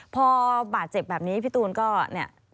พอบาดเจ็บแบบนี้พี่ตูนก็เนี่ย